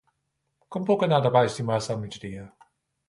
Com puc anar a Valls dimarts al migdia?